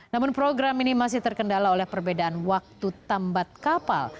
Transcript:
namun program ini masih terkendala oleh perbedaan waktu tambat kapal